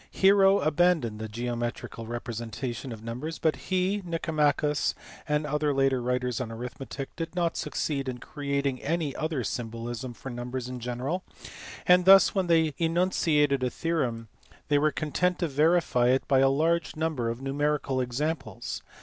Hero abandoned the geo metrical representation of numbers but he, Nicomachus, and other later writers on arithmetic did not succeed in creating any other symbolism for numbers in general, and thus when they enunciated a theorem they were content to verify it by a large number of numerical examples.